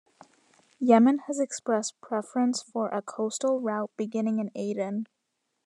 Yemen has expressed preference for a coastal route beginning in Aden.